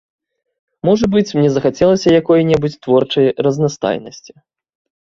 Можа быць, мне захацелася якой-небудзь творчай разнастайнасці.